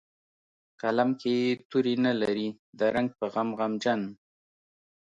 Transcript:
قلم کې یې توري نه لري د رنګ په غم غمجن